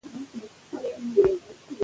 پکتيا په غرونو ښکلی ده.